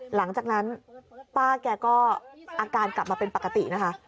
หลังจากนั้นป้าแกก็อาการกลับมาเป็นปกตินะคะ